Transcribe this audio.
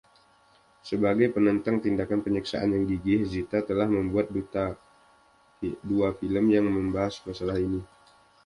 Sebagai penentang tindakan penyiksaan yang gigih, Zita telah membuat dua film yang membahas masalah ini.